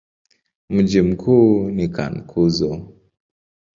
Mji mkuu ni Cankuzo.